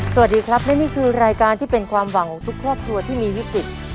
สวัสดีครับและนี่คือรายการที่เป็นความหวังของทุกครอบครัวที่มีวิกฤต